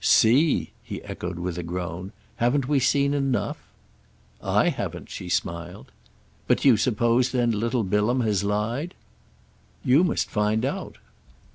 "See?" he echoed with a groan. "Haven't we seen enough?" "I haven't," she smiled. "But do you suppose then little Bilham has lied?" "You must find out."